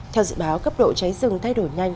theo dự báo cấp độ cháy rừng thay đổi nhanh